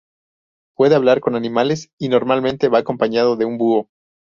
Puede hablar con los animales, y normalmente va acompañado de un búho.